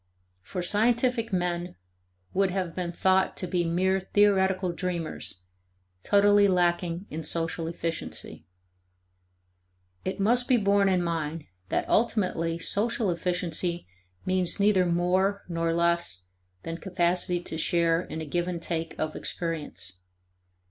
For scientific men would have been thought to be mere theoretical dreamers, totally lacking in social efficiency. It must be borne in mind that ultimately social efficiency means neither more nor less than capacity to share in a give and take of experience.